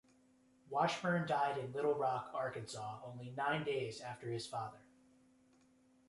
Washburn died in Little Rock, Arkansas only nine days after his father.